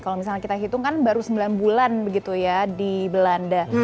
kalau misalnya kita hitung kan baru sembilan bulan begitu ya di belanda